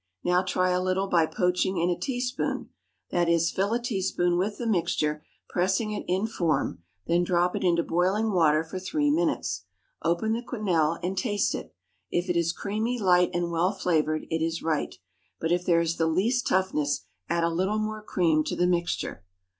Now try a little by poaching in a teaspoon; that is, fill a teaspoon with the mixture, pressing it in form, then drop it into boiling water for three minutes. Open the quenelle and taste it; if it is creamy, light, and well flavored, it is right, but if there is the least toughness, add a little more cream to the mixture.